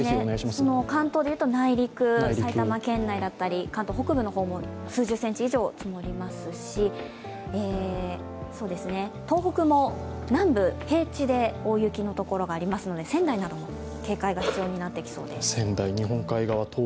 関東でいうと内陸、埼玉県内だったり関東北部の方も数十センチ以上、積もりますし東北も南部、平地で大雪のところがありますので仙台なども警戒が必要になってきそうです。